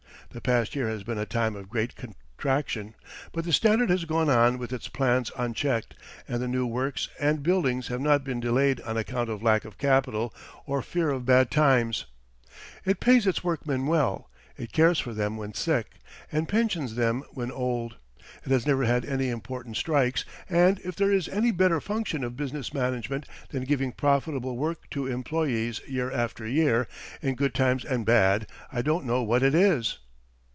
The past year has been a time of great contraction, but the Standard has gone on with its plans unchecked, and the new works and buildings have not been delayed on account of lack of capital or fear of bad times. It pays its workmen well, it cares for them when sick, and pensions them when old. It has never had any important strikes, and if there is any better function of business management than giving profitable work to employees year after year, in good times and bad, I don't know what it is.